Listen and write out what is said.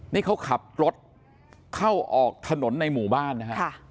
นี่เขาขับรถเข้าออกถนนในหมู่บ้านนะฮะ